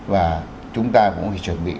và chúng ta cũng phải chuẩn bị